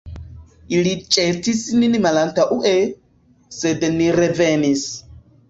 Ili ĵetis nin malantaŭe, sed ni revenis.